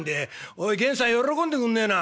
「おい源さん喜んでくんねえな。